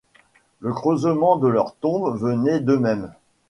Le creusement de leur tombe venait d’eux-mêmes.